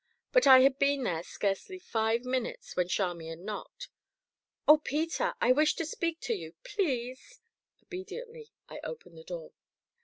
But I had been there scarcely five minutes when Charmian knocked. "Oh, Peter! I wish to speak to you please." Obediently I opened the door.